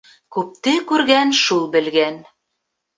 Күпте күргән шул белгән.